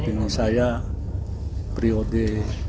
menampingi saya periode dua ribu dua puluh tiga dua ribu dua puluh delapan